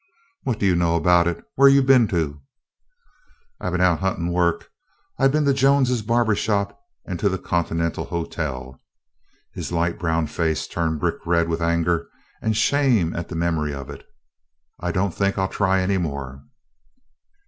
"What you know about it? Whaih you been to?" "I 've been out huntin' work. I 've been to Jones's bahbah shop an' to the Continental Hotel." His light brown face turned brick red with anger and shame at the memory of it. "I don't think I 'll try any more."